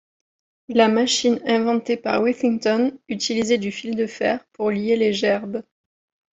La machine inventée par Withington utilisait du fil de fer pour lier les gerbes.